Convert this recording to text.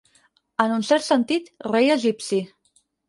En un cert sentit, rei egipci.